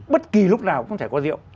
bất kỳ lúc nào cũng có thể có rượu